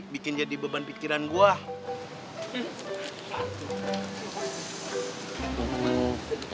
bikin jadi beban pikiran gue